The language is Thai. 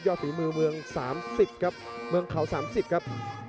ยอดศรีมือเมืองเขา๓๐ครับ